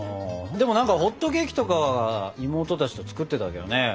でも何かホットケーキとか妹たちと作ってたけどね。